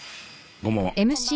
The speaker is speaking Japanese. こんばんは。